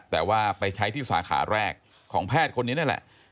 แต่ว่าไปใช้ที่สาขาแรกของแพทย์คนนี้นั่นแหละ